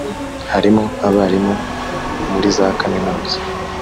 harimo abarimu muri za Kaminuza